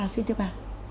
xin thưa bà